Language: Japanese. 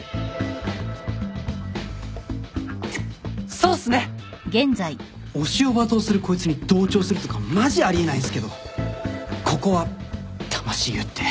「そうっすね！」推しを罵倒するこいつに同調するとかマジあり得ないんすけどここは魂売って。